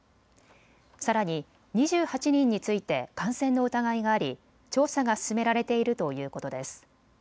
さらに２８人について感染の疑いがあり調査が進められているということです。